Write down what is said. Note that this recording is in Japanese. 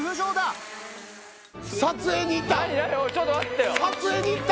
撮影に行った！